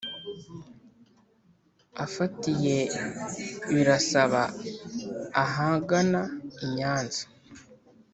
Afatiye Birasa ahagana i Nyanza